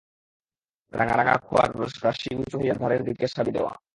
রাঙা রাঙা খোয়ার রাশি উঁচু হইয়া ধারের দিকে সাবি দেওয়া।